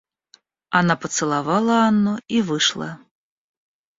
Она поцеловала Анну и вышла.